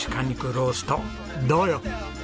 ローストどうよ？